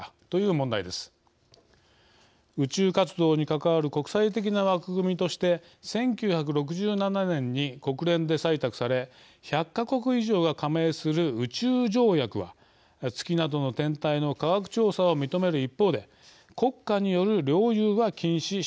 宇宙活動に関わる国際的な枠組みとして１９６７年に国連で採択され１００か国以上が加盟する宇宙条約は月などの天体の科学調査を認める一方で国家による領有は禁止しています。